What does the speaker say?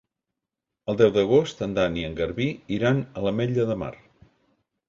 El deu d'agost en Dan i en Garbí iran a l'Ametlla de Mar.